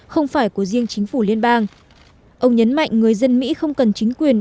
không phải của riêng chính phủ liên bang ông nhấn mạnh người dân mỹ không cần chính quyền